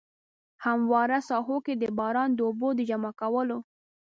هموارو ساحو کې د باران د اوبو د جمع کولو.